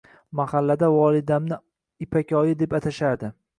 Mahallada volidamni Ipakoyi deb atashardi.